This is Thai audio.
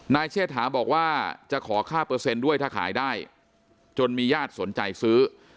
เชษฐาบอกว่าจะขอค่าเปอร์เซ็นต์ด้วยถ้าขายได้จนมีญาติสนใจซื้อ